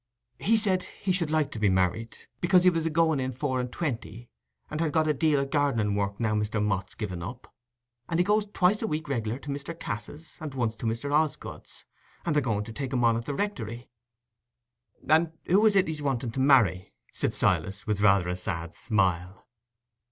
"He said he should like to be married, because he was a going in four and twenty, and had got a deal of gardening work, now Mr. Mott's given up; and he goes twice a week regular to Mr. Cass's, and once to Mr. Osgood's, and they're going to take him on at the Rectory." "And who is it as he's wanting to marry?" said Silas, with rather a sad smile.